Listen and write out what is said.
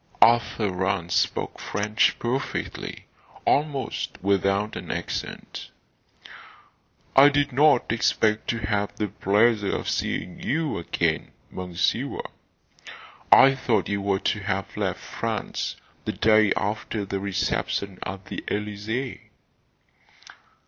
Arthur Rance spoke French perfectly, almost without an accent. "I did not expect to have the pleasure of seeing you again, Monsieur. I thought you were to have left France the day after the reception at the Elysee."